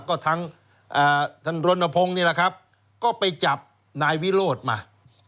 ก็ทั้งท่านรณพงศ์นี่แหละครับก็ไปจับนายวิโรธมา